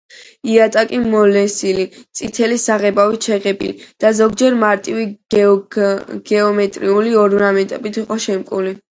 იატაკი მოლესილი, წითელი საღებავით შეღებილი და ზოგჯერ მარტივი გეომეტრიული ორნამენტით იყო შემკული.